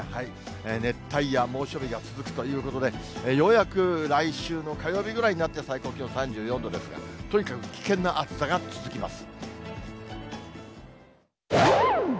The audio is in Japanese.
熱帯夜、猛暑日が続くということで、ようやく来週の火曜日ぐらいになって、最高気温３４度ですが、とにかく危険な暑さが続きます。